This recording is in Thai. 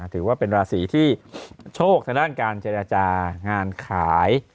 ถือว่าเป็นราศีที่โชคทางด้านการเจรจางานขาย